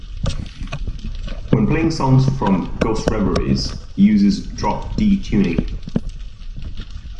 When playing songs from "Ghost Reveries" he uses Drop D tuning.